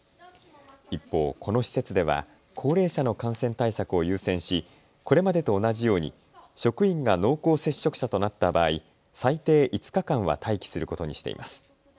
一方、この施設では高齢者の感染対策を優先しこれまでと同じように職員が濃厚接触者となった場合、最低５日間は待機することにしています。